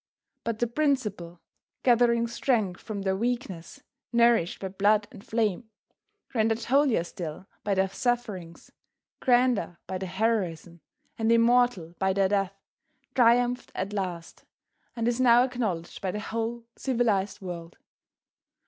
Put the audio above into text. But the principle, gathering strength from their weakness, nourished by blood and flame, rendered holier still by their sufferings grander by their heroism, and immortal by their death, triumphed at last, and is now acknowledged by the whole civilized world.